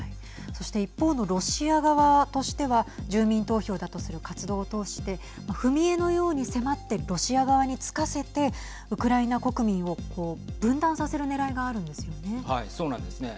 そして一方のロシア側としては住民投票だとする活動を通して踏み絵のように迫ってロシア側につかせてウクライナ国民を分断させるねらいがあるんですよね。